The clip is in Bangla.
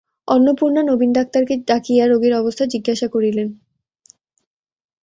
অন্নপূর্ণা নবীন-ডাক্তারকে ডাকিয়া রোগীর অবস্থা জিজ্ঞাসা করিলেন।